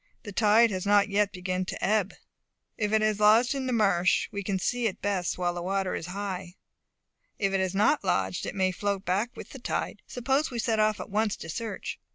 The tide has not yet begun to ebb. If it has lodged in the marsh, we can best see it while the water is high, and if it has not lodged, it may float back with the tide. Suppose we set off at once to search."